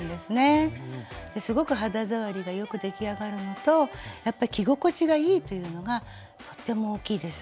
すごく肌触りが良く出来上がるのとやっぱり着心地がいいというのがとっても大きいです。